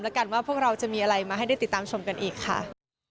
แล้วกันว่าพวกเราจะมีอะไรมาให้ได้ติดตามชมกันอีกค่ะ